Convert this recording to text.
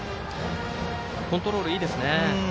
コントロールがいいですね。